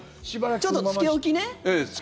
ちょっとつけ置きね。